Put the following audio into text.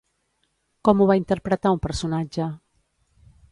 Com ho va interpretar un personatge?